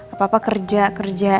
apa apa kerja kerja